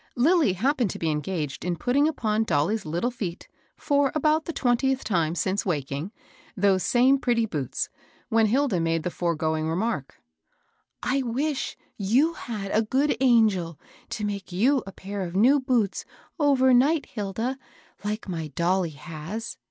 Lilly happened to be en gaged in putting upon Dolly's little feet, for about (ITQ) GOOD A^GELS. 177 the twentieth time since waking, those same pretty boots, when Hilda made the foregoing remark. " I wish you had a good angel to make you a pair of new boots, overnight, Hilda, like my dolly has